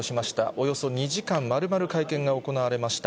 およそ２時間、丸々会見が行われました。